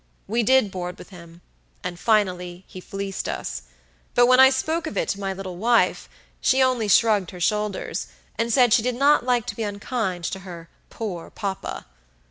We did board with him, and finally he fleeced us; but when I spoke of it to my little wife, she only shrugged her shoulders, and said she did not like to be unkind to her 'poor papa.'